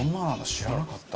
知らなかった。